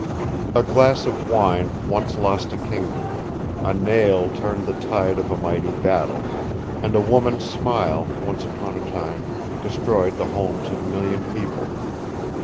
A glass of wine once lost a kingdom, a nail turned the tide of a mighty battle, and a woman's smile once upon a time destroyed the homes of a million people.